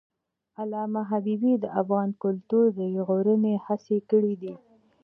علامه حبیبي د افغان کلتور د ژغورنې هڅې کړی دي.